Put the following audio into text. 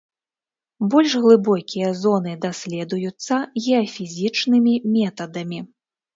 Больш глыбокія зоны даследуюцца геафізічнымі метадамі.